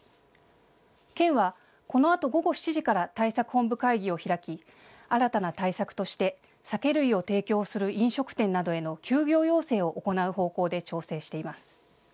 県はこのあと午後７時から対策本部会議を開き新たな対策として酒類を提供する飲食店などへの休業要請を行う方向で調整しています。